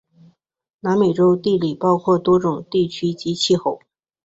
南美洲地理包括多种地区及气候。